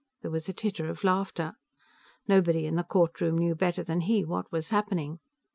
There was a titter of laughter. Nobody in the Courtroom knew better than he what was happening.